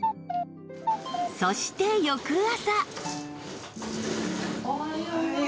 そして翌朝